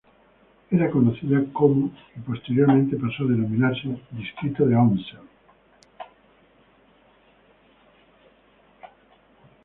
Era conocida como y posteriormente pasó a denominarse Distrito de Onsen.